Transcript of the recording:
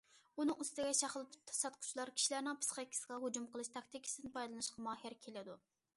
ئۇنىڭ ئۈستىگە شاخلىتىپ ساتقۇچىلار كىشىلەرنىڭ پىسخىكىسىغا ھۇجۇم قىلىش تاكتىكىسىدىن پايدىلىنىشقا ماھىر كېلىدۇ.